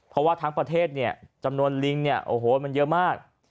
เพราะว่าทั้งประเทศเนี่ยจำนวนลิงเนี่ยโอ้โหมันเยอะมาก